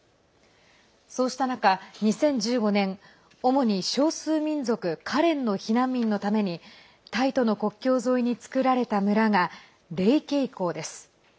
そうした中、２０１５年主に少数民族カレンの避難民のためにタイとの国境沿いに作られた村がレイケイコーです。